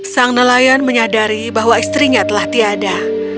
sang nelayan menyadari bahwa istrinya telah tiada